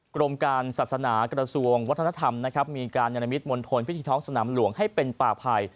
กรมการศาสนากระทรวงวัฒนธรรมนะครับมีการนิรมิตมณฑลพิธีท้องสนามหลวงให้เป็นป่าภัย